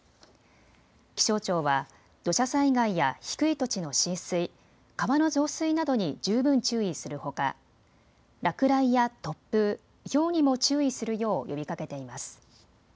気象庁は土砂災害や低い土地の浸水、川の増水などに十分注意するほか落雷や突風、ひょうにも注意するよう呼びかけています。